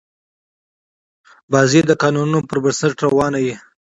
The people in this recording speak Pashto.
بازي د قانونونو پر بنسټ روانه يي.